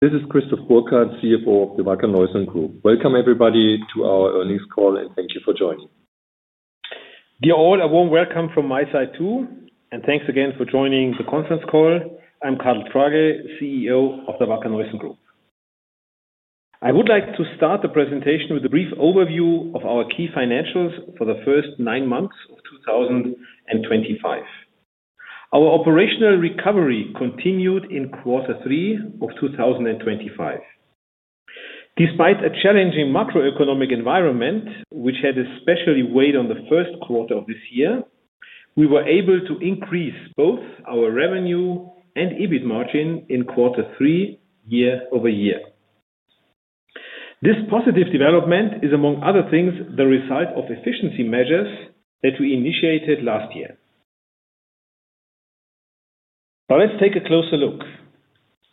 This is Christoph Burkhard, CFO of the Wacker Neuson Group. Welcome, everybody, to our earnings call, and thank you for joining. Dear all, a warm welcome from my side too, and thanks again for joining the conference call. I'm Karl Tragl, CEO of the Wacker Neuson Group. I would like to start the presentation with a brief overview of our key financials for the first nine months of 2025. Our operational recovery continued in quarter three of 2025. Despite a challenging macroeconomic environment, which had especially weighed on the first quarter of this year, we were able to increase both our revenue and EBIT margin in quarter three year-over-year. This positive development is, among other things, the result of efficiency measures that we initiated last year. Now, let's take a closer look.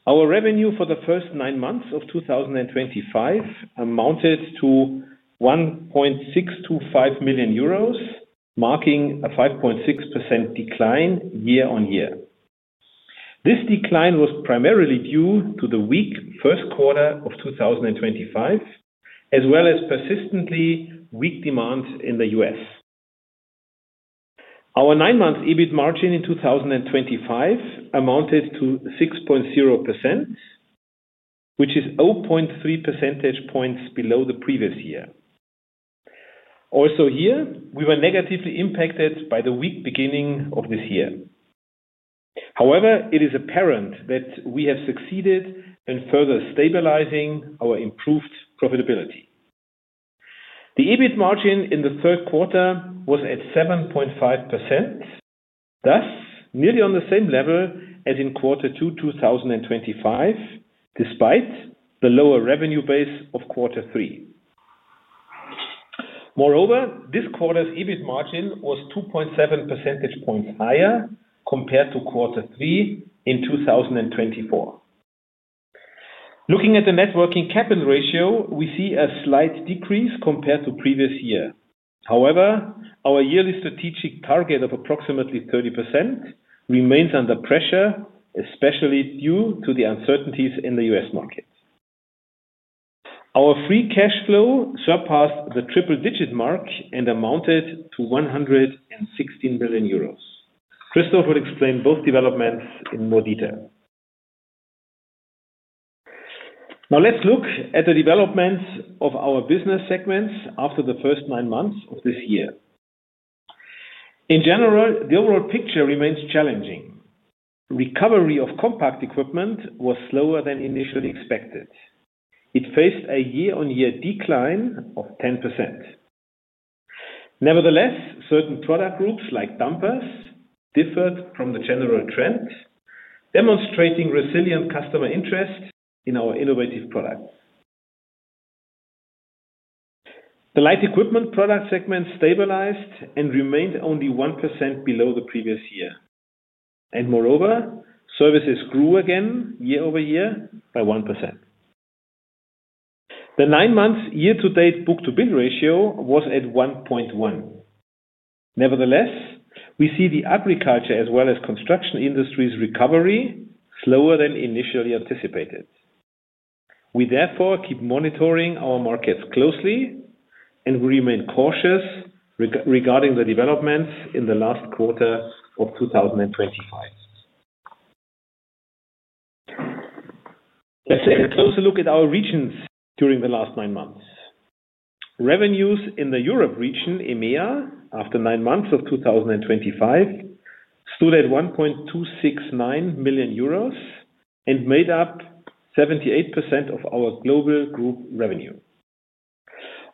Our revenue for the first nine months of 2025 amounted to 1.625 million euros, marking a 5.6% decline year-on-year. This decline was primarily due to the weak first quarter of 2025, as well as persistently weak demand in the U.S. Our nine-month EBIT margin in 2025 amounted to 6.0%, which is 0.3 percentage points below the previous year. Also, here, we were negatively impacted by the weak beginning of this year. However, it is apparent that we have succeeded in further stabilizing our improved profitability. The EBIT margin in the third quarter was at 7.5%, thus nearly on the same level as in quarter two 2025, despite the lower revenue base of quarter three. Moreover, this quarter's EBIT margin was 2.7 percentage points higher compared to quarter three in 2024. Looking at the net working capital ratio, we see a slight decrease compared to the previous year. However, our yearly strategic target of approximately 30% remains under pressure, especially due to the uncertainties in the U.S. market. Our free cash flow surpassed the triple-digit mark and amounted to 116 million euros. Christoph will explain both developments in more detail. Now, let's look at the developments of our business segments after the first nine months of this year. In general, the overall picture remains challenging. Recovery of compact equipment was slower than initially expected. It faced a year-on-year decline of 10%. Nevertheless, certain product groups, like Dumpers, differed from the general trend, demonstrating resilient customer interest in our innovative products. The Light Equipment product segment stabilized and remained only 1% below the previous year. Moreover, services grew again year-over-year by 1%. The nine-month year-to-date book-to-bill ratio was at 1.1. Nevertheless, we see the agriculture, as well as construction industry's recovery slower than initially anticipated. We, therefore, keep monitoring our markets closely, and we remain cautious regarding the developments in the last quarter of 2025. Let's take a closer look at our regions during the last nine months. Revenues in the Europe region, EMEA, after nine months of 2025, stood at 1.269 million euros and made up 78% of our global group revenue.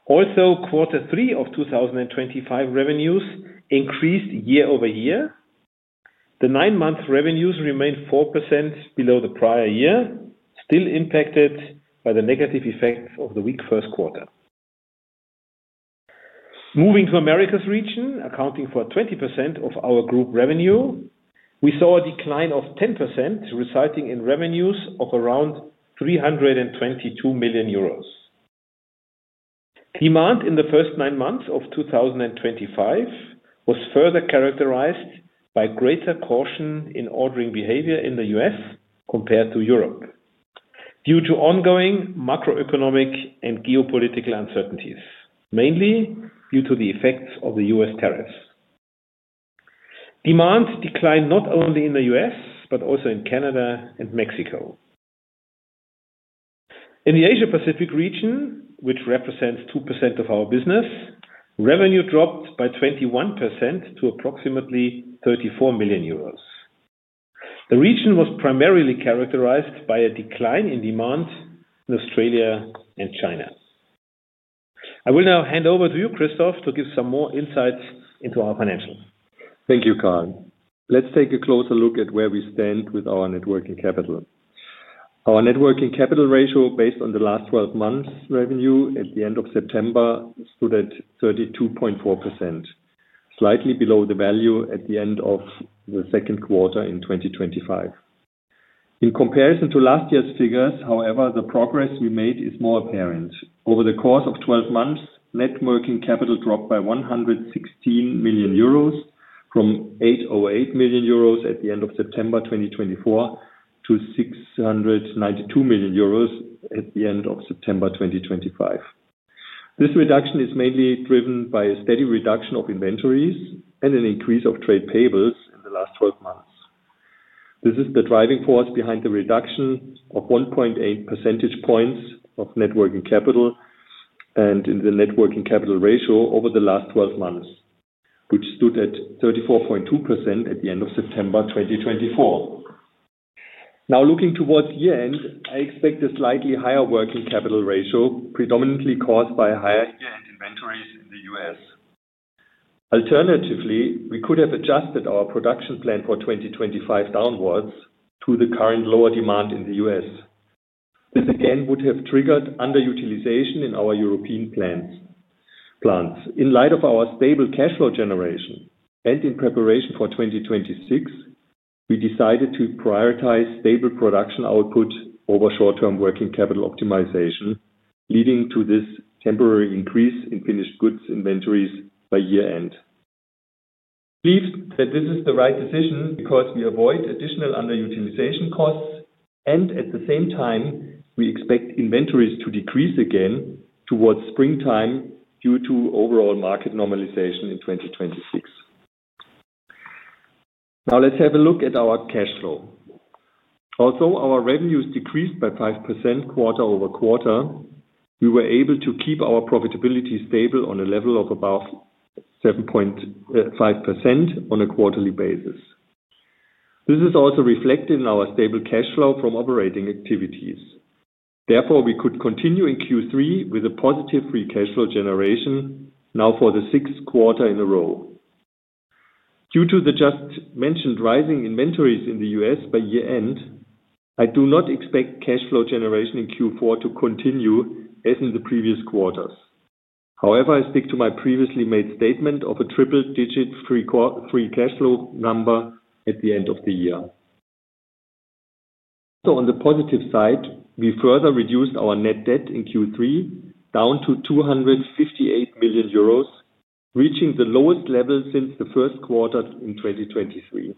Also, quarter three of 2025 revenues increased year-over-year. The nine-month revenues remained 4% below the prior year, still impacted by the negative effects of the weak first quarter. Moving to the Americas region, accounting for 20% of our Group revenue, we saw a decline of 10%, resulting in revenues of around 322 million euros. Demand in the first nine months of 2025 was further characterized by greater caution in ordering behavior in the U.S. compared to Europe due to ongoing macroeconomic and geopolitical uncertainties, mainly due to the effects of the U.S. tariffs. Demand declined not only in the U.S. but also in Canada and Mexico. In the Asia-Pacific region, which represents 2% of our business, revenue dropped by 21% to approximately 34 million euros. The region was primarily characterized by a decline in demand in Australia and China. I will now hand over to you, Christoph, to give some more insights into our financials. Thank you, Karl. Let's take a closer look at where we stand with our net working capital. Our net working capital ratio, based on the last 12 months' revenue at the end of September, stood at 32.4%, slightly below the value at the end of the second quarter in 2025. In comparison to last year's figures, however, the progress we made is more apparent. Over the course of 12 months, net working capital dropped by 116 million euros from 808 million euros at the end of September 2024 to 692 million euros at the end of September 2025. This reduction is mainly driven by a steady reduction of inventories and an increase of trade payables in the last 12 months. This is the driving force behind the reduction of 1.8 percentage points of net working capital and in the net working capital ratio over the last 12 months, which stood at 34.2% at the end of September 2024. Now, looking towards year-end, I expect a slightly higher working capital ratio, predominantly caused by higher year-end inventories in the U.S. Alternatively, we could have adjusted our production plan for 2025 downwards to the current lower demand in the U.S. This, again, would have triggered underutilization in our European plants. In light of our stable cash flow generation and in preparation for 2026, we decided to prioritize stable production output over short-term working capital optimization, leading to this temporary increase in finished goods inventories by year-end. We believe that this is the right decision because we avoid additional underutilization costs, and at the same time, we expect inventories to decrease again towards springtime due to overall market normalization in 2026. Now, let's have a look at our cash flow. Although our revenues decreased by 5% quarter-over-quarter, we were able to keep our profitability stable on a level of about 7.5% on a quarterly basis. This is also reflected in our stable cash flow from operating activities. Therefore, we could continue in Q3 with a positive free cash flow generation now for the sixth quarter in a row. Due to the just-mentioned rising inventories in the U.S. by year-end, I do not expect cash flow generation in Q4 to continue as in the previous quarters. However, I stick to my previously made statement of a triple-digit free cash flow number at the end of the year. On the positive side, we further reduced our net debt in Q3 down to 258 million euros, reaching the lowest level since the first quarter in 2023.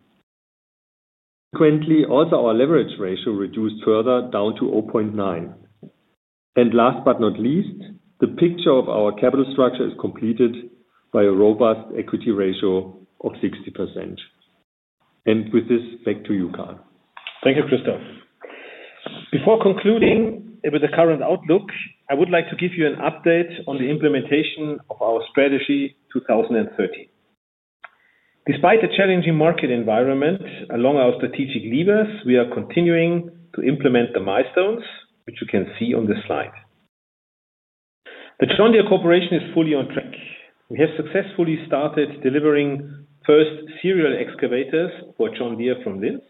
Consequently, also, our leverage ratio reduced further down to 0.9. Last but not least, the picture of our capital structure is completed by a robust equity ratio of 60%. With this, back to you, Karl. Thank you, Christoph. Before concluding with the current outlook, I would like to give you an update on the implementation of our Strategy 2030. Despite the challenging market environment along our strategic levers, we are continuing to implement the milestones, which you can see on the slide. The John Deere coorporation is fully on track. We have successfully started delivering first serial excavators for John Deere from Linz.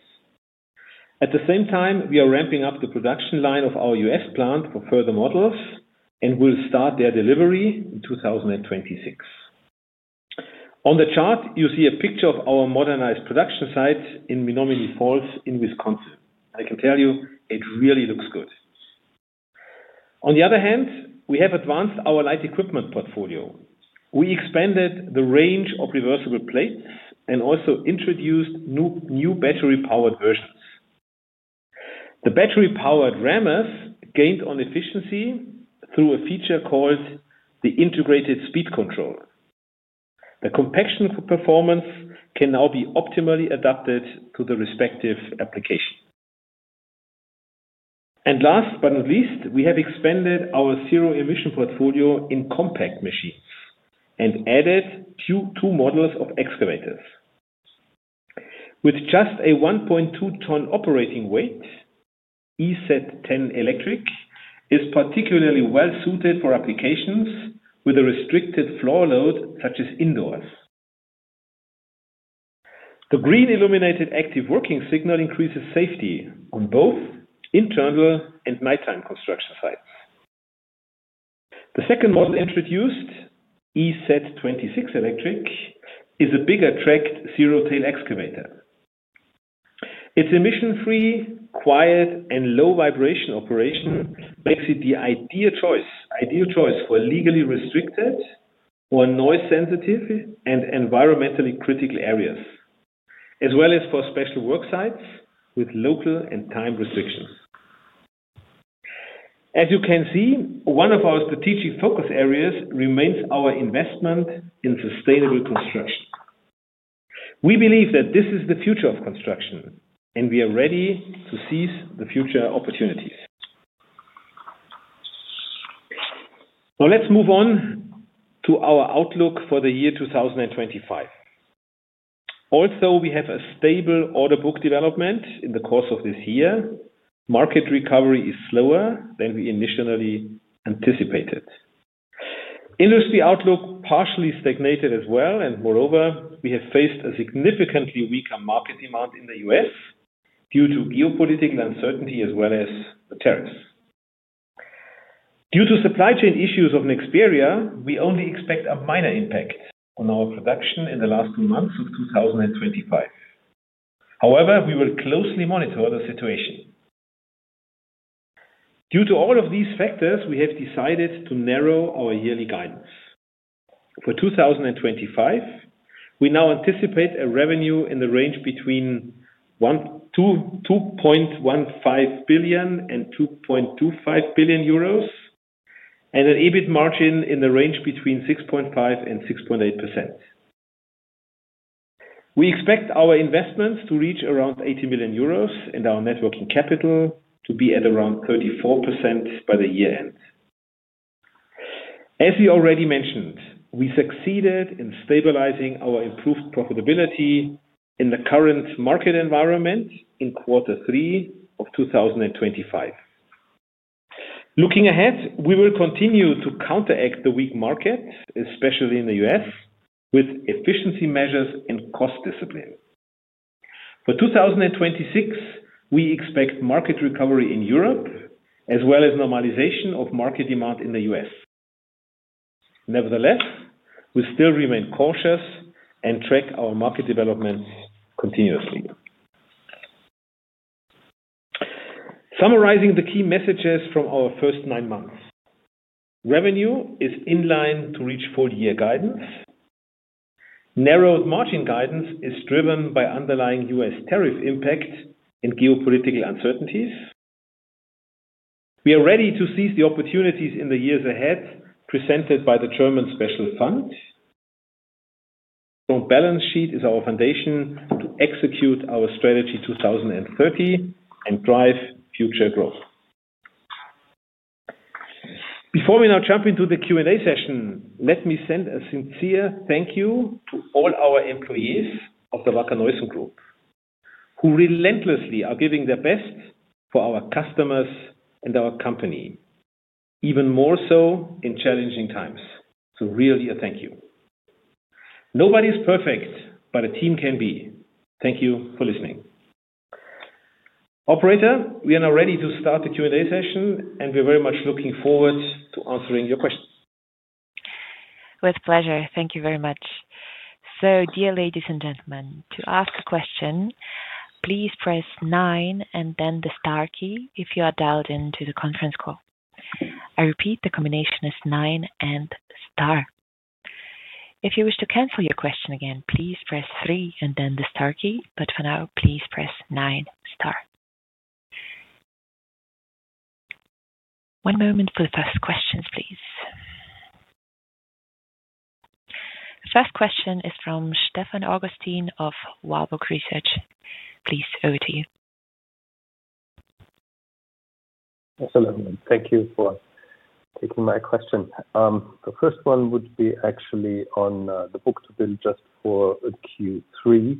At the same time, we are ramping up the production line of our U.S. plant for further models and will start their delivery in 2026. On the chart, you see a picture of our modernized production site in Menomonee Falls in Wisconsin. I can tell you it really looks good. On the other hand, we have advanced our Light Equipment portfolio. We expanded the range of reversible plates and also introduced new battery-powered versions. The battery-powered Rammers gained on efficiency through a feature called the integrated speed control. The compaction performance can now be optimally adapted to the respective application. Last but not least, we have expanded our zero-emission portfolio in compact machines and added two models of excavators. With just a 1.2-ton operating weight, EZ10 electric is particularly well-suited for applications with a restricted floor load, such as indoors. The green-illuminated Active Working Signal increases safety on both internal and night-time construction sites. The second model introduced, EZ26 electric, is a bigger tracked zero-tail excavator. Its emission-free, quiet, and low-vibration operation makes it the ideal choice for legally restricted or noise-sensitive and environmentally critical areas, as well as for special work sites with local and time restrictions. As you can see, one of our strategic focus areas remains our investment in sustainable construction. We believe that this is the future of construction, and we are ready to seize the future opportunities. Now, let's move on to our outlook for the year 2025. Although we have a stable order book development in the course of this year, market recovery is slower than we initially anticipated. Industry outlook partially stagnated as well, and moreover, we have faced a significantly weaker market demand in the U.S. due to geopolitical uncertainty as well as the tariffs. Due to supply chain issues of Nexperia, we only expect a minor impact on our production in the last two months of 2025. However, we will closely monitor the situation. Due to all of these factors, we have decided to narrow our yearly guidance. For 2025, we now anticipate a revenue in the range between 2.15 billion and 2.25 billion euros and an EBIT margin in the range between 6.5% and 6.8%. We expect our investments to reach around 80 million euros and our net working capital to be at around 34% by the year-end. As we already mentioned, we succeeded in stabilizing our improved profitability in the current market environment in quarter three of 2025. Looking ahead, we will continue to counteract the weak market, especially in the U.S., with efficiency measures and cost discipline. For 2026, we expect market recovery in Europe as well as normalization of market demand in the U.S. Nevertheless, we still remain cautious and track our market developments continuously. Summarizing the key messages from our first nine months: revenue is in line to reach full-year guidance. Narrowed margin guidance is driven by underlying U.S. tariff impact and geopolitical uncertainties. We are ready to seize the opportunities in the years ahead presented by the German Special Fund. Strong balance sheet is our foundation to execute our strategy 2030 and drive future growth. Before we now jump into the Q&A session, let me send a sincere thank you to all our employees of the Wacker Neuson Group, who relentlessly are giving their best for our customers and our company, even more so in challenging times. Really, a thank you. Nobody is perfect, but a team can be. Thank you for listening. Operator, we are now ready to start the Q&A session, and we're very much looking forward to answering your questions. With pleasure. Thank you very much. So, dear ladies and gentlemen, to ask a question, please press nine and then the star key if you are dialed into the conference call. I repeat, the combination is nine and star. If you wish to cancel your question again, please press three and then the star key, but for now, please press nine star. One moment for the first questions, please. The first question is from Stefan Augustin of Warburg Research. Please, over to you. Excellent. Thank you for taking my question. The first one would be actually on the book-to-bill just for Q3.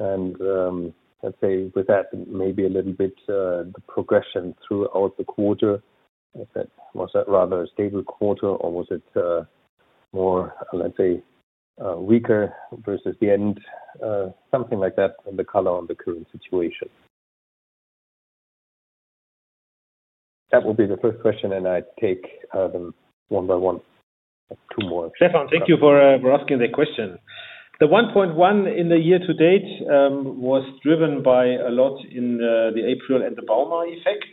And let's say with that, maybe a little bit the progression throughout the quarter. Was that rather a stable quarter, or was it more, let's say, weaker versus the end? Something like that, the color on the current situation. That will be the first question, and I take them one by one. Two more. Stefan, thank you for asking the question. The 1.1 in the year-to-date was driven by a lot in the April and the Bauma effect.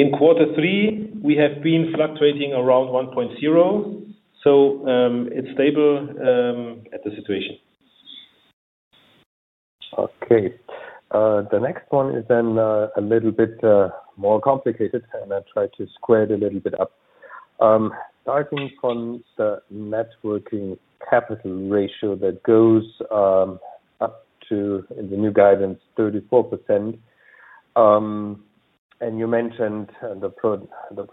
In quarter three, we have been fluctuating around 1.0, so it's stable at the situation. Okay. The next one is then a little bit more complicated, and I'll try to square it a little bit up. Starting from the net working capital ratio that goes up to, in the new guidance, 34%. And you mentioned the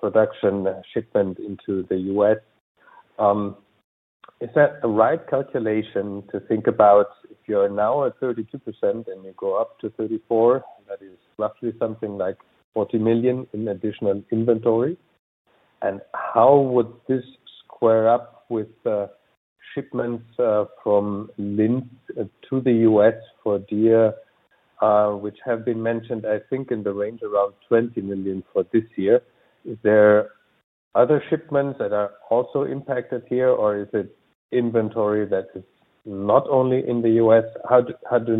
production shipment into the U.S. Is that the right calculation to think about if you're now at 32% and you go up to 34%? That is roughly something like $40 million in additional inventory. And how would this square up with shipments from Linz to the U.S. for Deere, which have been mentioned, I think, in the range around $20 million for this year? Is there other shipments that are also impacted here, or is it inventory that is not only in the U.S.? How do you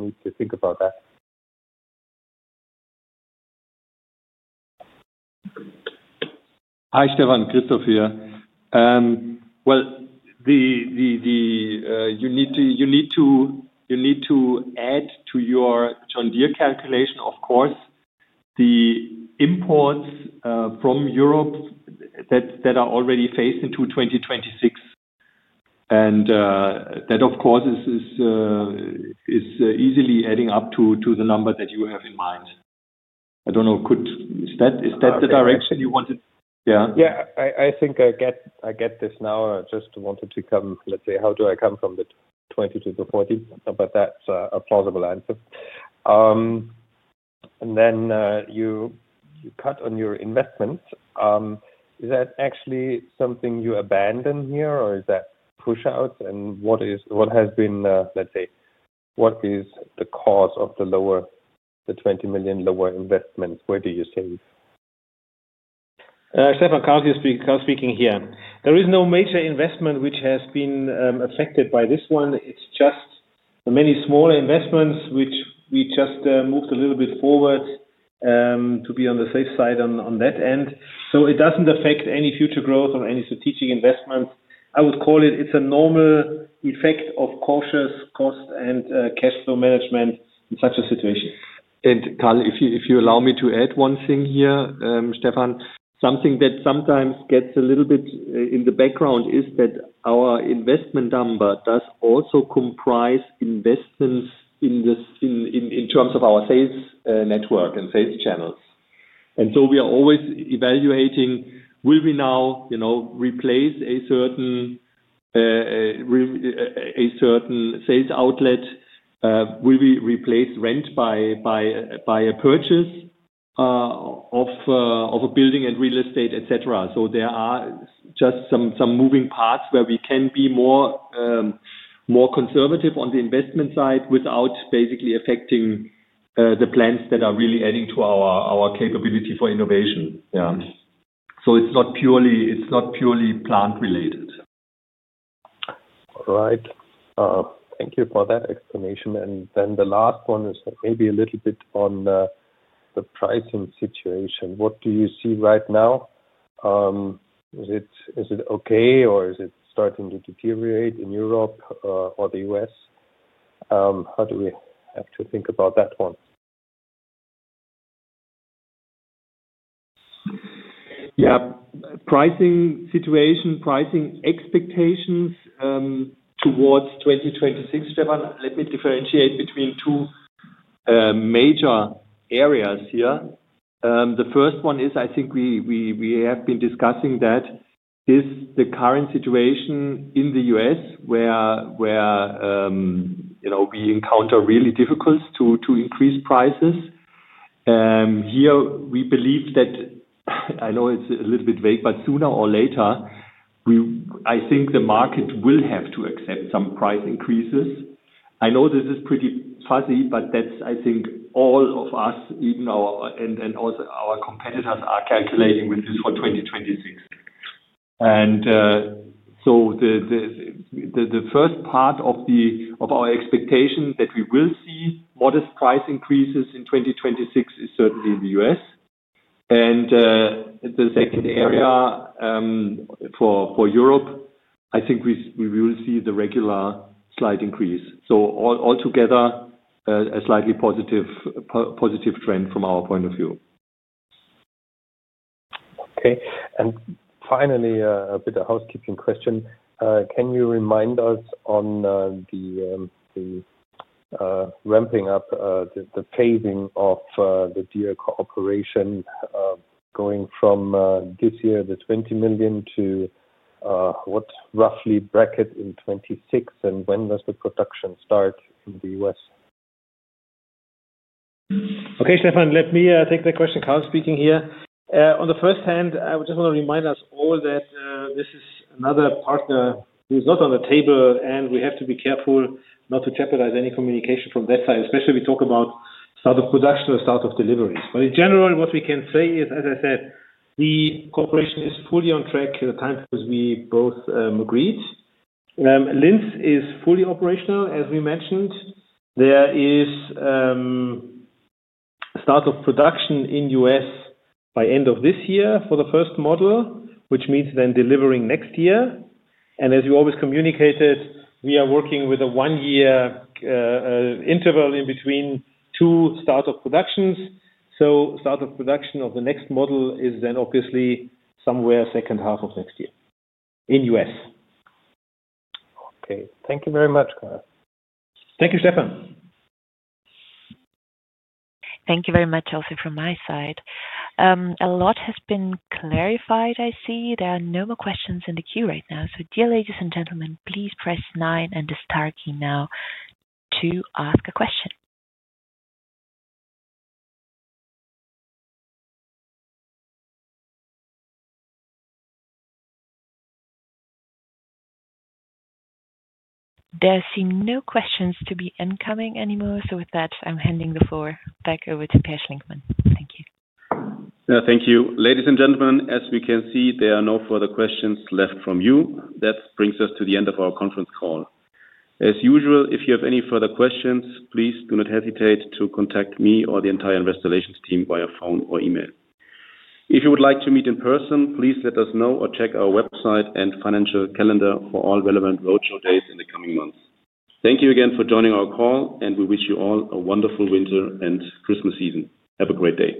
need to think about that? Hi, Stefan. Christoph here. You need to add to your John Deere calculation, of course, the imports from Europe that are already faced into 2026. That, of course, is easily adding up to the number that you have in mind. I don't know. Is that the direction you wanted? Yeah. I think I get this now. I just wanted to come, let's say, how do I come from the 22 to 40? That's a plausible answer. You cut on your investments. Is that actually something you abandon here, or is that push out? What has been, let's say, what is the cause of the 20 million lower investments? Where do you save? There is no major investment which has been affected by this one. It's just many smaller investments, which we just moved a little bit forward to be on the safe side on that end. It doesn't affect any future growth or any strategic investments. I would call it a normal effect of cautious cost and cash flow management in such a situation. Karl, if you allow me to add one thing here, something that sometimes gets a little bit in the background is that our investment number does also comprise investments in terms of our sales network and sales channels. We are always evaluating, will we now replace a certain sales outlet? Will we replace rent by a purchase of a building and real estate, etc.? There are just some moving parts where we can be more conservative on the investment side without basically affecting the plants that are really adding to our capability for innovation. Yeah. It is not purely plant-related. All right. Thank you for that explanation. The last one is maybe a little bit on the pricing situation. What do you see right now? Is it okay, or is it starting to deteriorate in Europe or the U.S.? How do we have to think about that one? Yeah. Pricing situation, pricing expectations towards 2026, Stefan, let me differentiate between two major areas here. The first one is, I think we have been discussing that, is the current situation in the U.S. where we encounter really difficult to increase prices. Here, we believe that I know it's a little bit vague, but sooner or later, I think the market will have to accept some price increases. I know this is pretty fuzzy, but that's, I think, all of us, even our and also our competitors are calculating with this for 2026. The first part of our expectation that we will see modest price increases in 2026 is certainly in the U.S. The second area for Europe, I think we will see the regular slight increase. Altogether, a slightly positive trend from our point-of-view. Okay. Finally, a bit of a housekeeping question. Can you remind us on the ramping up, the phasing of the Deere co-operation going from this year, the 20 million, to what roughly bracket in 2026? When does the production start in the U.S.? Okay, Stefan, let me take the question. Karl speaking here. On the first hand, I just want to remind us all that this is another partner who is not on the table, and we have to be careful not to jeopardize any communication from that side, especially if we talk about start of production or start of deliveries. In general, what we can say is, as I said, the co-orporation is fully on track at a time because we both agreed. Linz is fully operational, as we mentioned. There is start of production in the U.S. by end of this year for the first model, which means then delivering next year. As we always communicated, we are working with a one-year interval in between two start of productions. Start of production of the next model is then obviously somewhere second half of next year in the U.S. Okay. Thank you very much, Karl. Thank you, Stefan. Thank you very much also from my side. A lot has been clarified, I see. There are no more questions in the queue right now. Dear ladies and gentlemen, please press nine and the star key now to ask a question. There seem no questions to be incoming anymore. With that, I'm handing the floor back over to Peer Schlinkmann. Thank you. Thank you. Ladies and gentlemen, as we can see, there are no further questions left from you. That brings us to the end of our conference call. As usual, if you have any further questions, please do not hesitate to contact me or the entire Investigations Team via phone or email. If you would like to meet in person, please let us know or check our website and financial calendar for all relevant roadshow days in the coming months. Thank you again for joining our call, and we wish you all a wonderful winter and Christmas season. Have a great day.